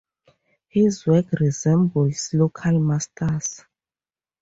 His work resembles local masters.